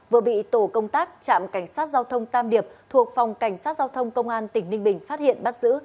vừa bị tổ công tác trạm cảnh sát giao thông tam điệp thuộc phòng cảnh sát giao thông công an tỉnh ninh bình phát hiện bắt giữ